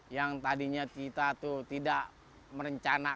yang tadinya kita tuh tidak merencanakan